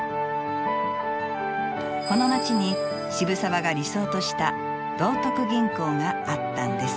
この町に渋沢が理想とした道徳銀行があったんです。